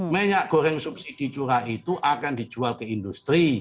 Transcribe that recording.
minyak goreng subsidi curah itu akan dijual ke industri